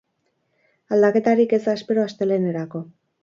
Aldaketarik ez da espero astelehenerako.